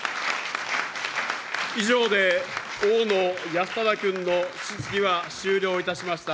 以上で大野泰正君の質疑は終了いたしました。